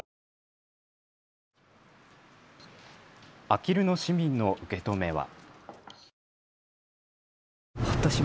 あきる野市民の受け止めは。